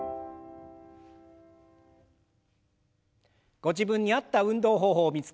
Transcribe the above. ご自分に合った運動方法を見つけ